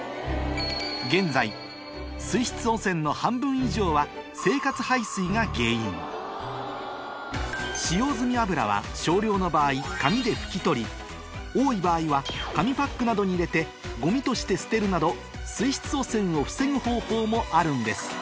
現在水質汚染の半分以上は生活排水が原因使用済み油は少量の場合紙で拭き取り多い場合は紙パックなどに入れてゴミとして捨てるなど水質汚染を防ぐ方法もあるんです